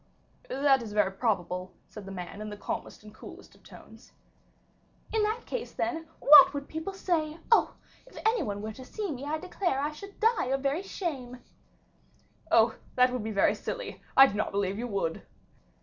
"That is very probable," said the man, in the calmest and coolest of tones. "In that case, then, what would people say? Oh! if any one were to see me, I declare I should die of very shame." "Oh! that would be very silly; I do not believe you would."